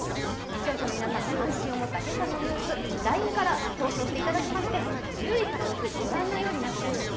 視聴者の皆さんが関心を持った今朝のニュース、ＬＩＮＥから投票していただきまして１０位から６位、ご覧のようになっています。